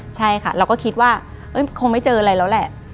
ใช่ค่ะเราก็คิดว่าคงไม่เจออะไรแล้วแหละ